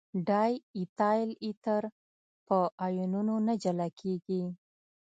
دای ایتایل ایتر په آیونونو نه جلا کیږي.